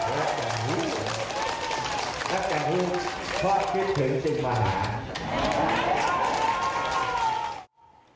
รักจังหู้ชอบคิดถึงสิ่งมหา